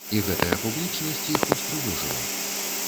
І гэтая публічнасць іх устрывожыла.